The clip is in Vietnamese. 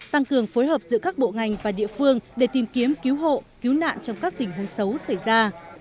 tăng cường phối hợp giữa các bộ ngành và địa phương để tìm kiếm cứu hộ cứu nạn trong các tình huống xấu xảy ra